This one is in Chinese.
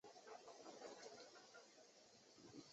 该书因其研究范围广泛且全面而广受好评。